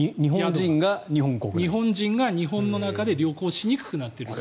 日本人が日本の中で旅行しにくくなっている。